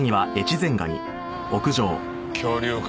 恐竜か。